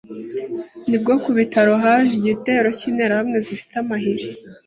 nibwo ku bitaro haje igitero cy’interahamwe zifite amahiri,